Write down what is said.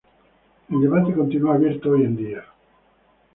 El debate continúa abierto hoy en día.